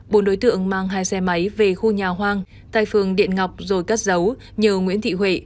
bốn đối tượng mang hai xe máy về khu nhà hoang tại phường điện ngọc rồi cất giấu nhờ nguyễn thị huệ